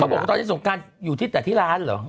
เขาบอกจนส่งการอยู่ในร้านหรอ